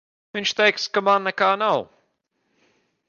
Viņš teiks, ka man nekā nav.